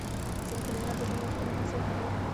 ځینې فلمونه د ژوند ریښتینې کیسې ښیي.